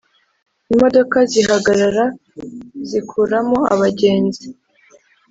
imodoka zihagarara zkuram abagenzi.